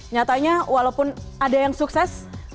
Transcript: nyatanya walaupun ada yang sukses